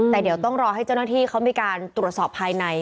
แต่เดี๋ยวต้องรอให้เจ้าหน้าที่เขามีการตรวจสอบภายใน